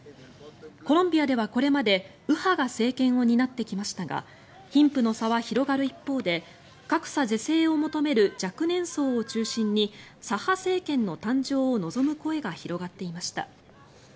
コロンビアではこれまで右派が政権を担ってきましたが貧富の差は広がる一方で格差是正を求める若年層を中心に左派政権の誕生を望む声が広がっていました。